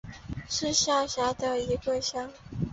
是下辖的一个乡。